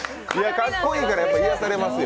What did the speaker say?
かっこいいから癒やされますよ。